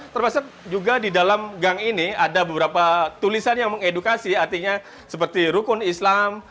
termasuk juga di dalam gang ini ada beberapa tulisan yang mengedukasi artinya seperti rukun islam